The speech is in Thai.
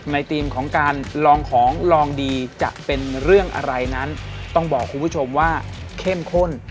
ธีมของการลองของลองดีจะเป็นเรื่องอะไรนั้นต้องบอกคุณผู้ชมว่าเข้มข้น